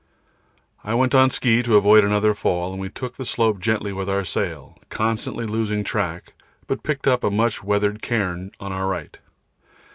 I went on ski to avoid another fall, and we took the slope gently with our sail, constantly losing the track, but picked up a much weathered cairn on our right.